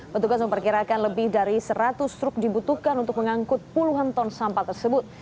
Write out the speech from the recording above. petugas memperkirakan lebih dari seratus truk dibutuhkan untuk mengangkut puluhan ton sampah tersebut